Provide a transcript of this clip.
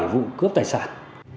bảy vụ cướp tài sản